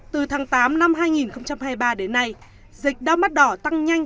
từ tháng tám năm hai nghìn hai mươi ba đến nay dịch đau mắt đỏ tăng nhanh